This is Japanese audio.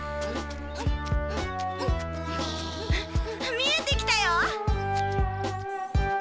見えてきたよ！